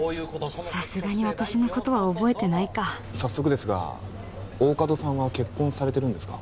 さすがに私のことは覚えてないか早速ですが大加戸さんは結婚されてるんですか？